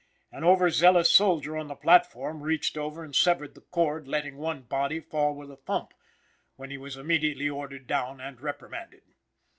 An over zealous soldier on the platform reached over and severed the cord, letting one body fall with a thump, when he was immediately ordered down and reprimanded.